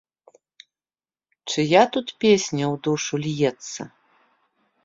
Чыя тут песня ў душу льецца?